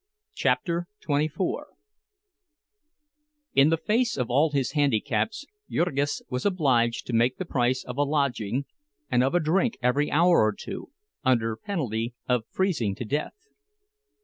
CHAPTER XXIV In the face of all his handicaps, Jurgis was obliged to make the price of a lodging, and of a drink every hour or two, under penalty of freezing to death.